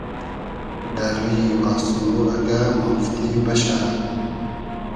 دۂ رویی آسمۉ اگۂ مافتی بئشۂ